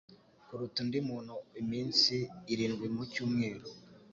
kuruta undi muntu iminsi irindwi mu cyumweru